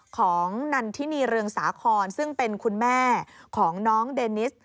ของนันทินีเรืองสาครซึ่งเป็นคุณแม่ของน้องเดนิส